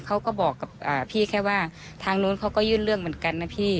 เขาก็บอกกับพี่แค่ว่าทางนู้นเขาก็ยื่นเรื่องเหมือนกันนะพี่